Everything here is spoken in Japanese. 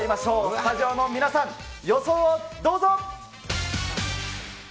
スタジオの皆さん、予想をどうぞ。